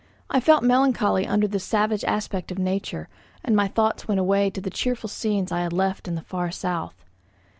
I felt melancholy under this savage aspect of nature, and my thoughts went away to the cheerful scenes I had left in the far south.